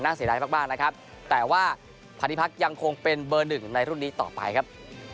เสียดายมากนะครับแต่ว่าพันธิพักษ์ยังคงเป็นเบอร์หนึ่งในรุ่นนี้ต่อไปครับ